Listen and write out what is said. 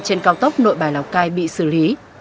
trên cao tốc nội bài lào cai bị xử lý